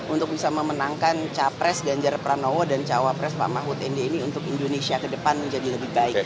untuk bisa memenangkan capres ganjar pranowo dan cawapres pak mahfud md ini untuk indonesia ke depan menjadi lebih baik